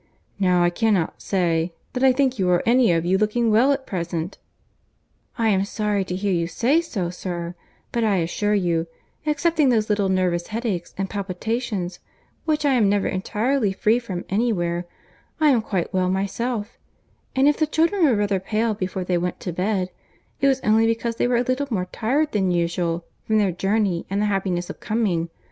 Now I cannot say, that I think you are any of you looking well at present." "I am sorry to hear you say so, sir; but I assure you, excepting those little nervous head aches and palpitations which I am never entirely free from anywhere, I am quite well myself; and if the children were rather pale before they went to bed, it was only because they were a little more tired than usual, from their journey and the happiness of coming.